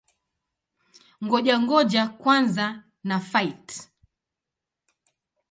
Ngoja-ngoja kwanza na-fight!